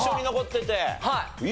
はい。